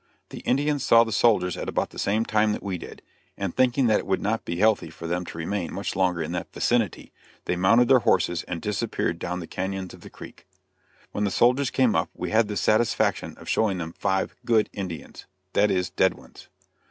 The Indians saw the soldiers at about the same time that we did, and thinking that it would not be healthy for them to remain much longer in that vicinity, they mounted their horses and disappeared down the cañons of the creek. When the soldiers came up we had the satisfaction of showing them five "good" Indians, that is dead ones.